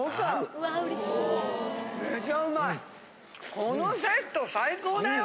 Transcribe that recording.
このセット最高だよ！